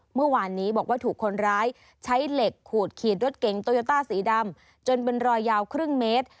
เมื่อวานนี้บอกว่าถูกคนร้ายใช้เหล็กขูดขีดรถเก๋งโตโยต้าสีดำจนเป็นรอยยาวครึ่งเมตร